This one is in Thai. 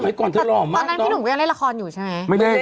ยังเล่นละครอยู่ใช่ไหม